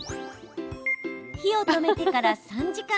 火を止めてから３時間。